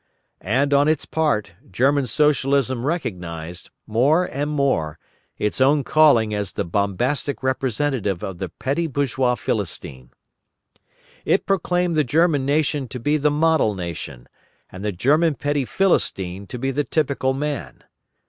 And on its part, German Socialism recognised, more and more, its own calling as the bombastic representative of the petty bourgeois Philistine. It proclaimed the German nation to be the model nation, and the German petty Philistine to be the typical man.